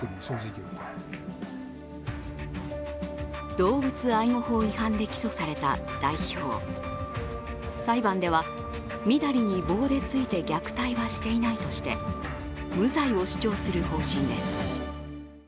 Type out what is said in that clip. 動物愛護法違反で起訴された代表、裁判ではみだりに棒で突いて虐待はしていないとして無罪を主張する方針です。